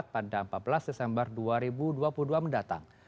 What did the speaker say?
pada empat belas desember dua ribu dua puluh dua mendatang